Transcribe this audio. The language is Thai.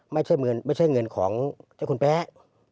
ไม่ใช่เงินของเจ้าคุณแป๊ะ